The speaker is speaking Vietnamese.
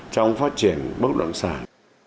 trong phát triển bất động sản